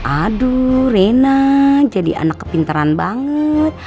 aduh rena jadi anak kepintaran banget